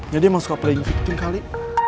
ya dia emang suka playing victim kali